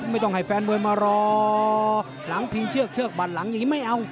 ไม่ต้องให้แฟนมวยมารอหลังพิงเชือกเชือกบัดหลังอย่างนี้ไม่เอา